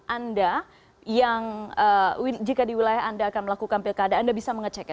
anda yang jika di wilayah anda akan melakukan pilkada anda bisa mengecek ya